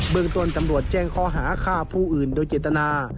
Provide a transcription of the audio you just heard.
เมืองต้นตำรวจแจ้งข้อหาฆ่าผู้อื่นโดยเจตนา